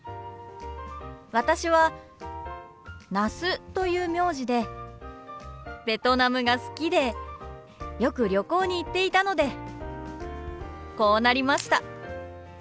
私は那須という名字でベトナムが好きでよく旅行に行っていたのでこうなりました。